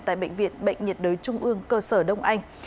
tại bệnh viện bệnh nhiệt đới trung ương cơ sở đông anh